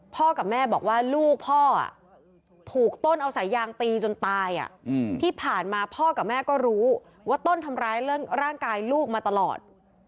กับแม่บอกว่าลูกพ่อถูกต้นเอาสายยางตีจนตายที่ผ่านมาพ่อกับแม่ก็รู้ว่าต้นทำร้ายร่างกายลูกมาตลอด